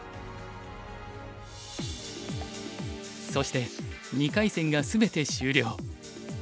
そして２回戦が全て終了。